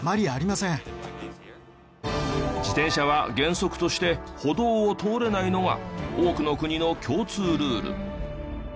自転車は原則として歩道を通れないのが多くの国の共通ルール。